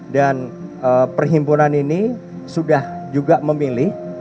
dan perhimpunan ini sudah juga memilih